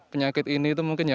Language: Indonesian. penyakit ini itu mungkin ya